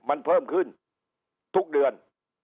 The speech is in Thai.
มันเพิ่มขึ้นทุกเดือน